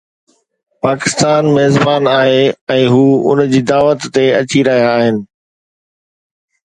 پاڪستان ميزبان آهي ۽ هو ان جي دعوت تي اچي رهيا آهن.